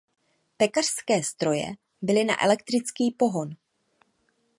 Pekařské stroje byly na elektrický pohon.